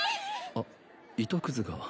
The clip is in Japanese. あっ糸くずが。